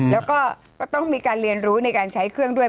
แล้วก็ก็ต้องมีการเรียนรู้ในการใช้เครื่องด้วย